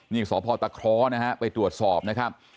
นี่สพตะคร้อนะฮะไปตรวจสอบนะครับ